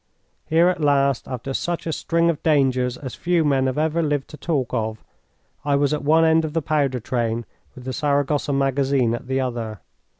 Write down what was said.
Here at last, after such a string of dangers as few men have ever lived to talk of, I was at one end of the powder train, with the Saragossa magazine at the other.